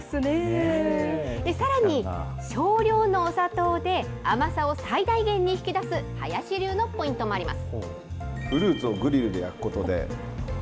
さらに、少量のお砂糖で、甘さを最大限に引き出す林流のポイントもあります。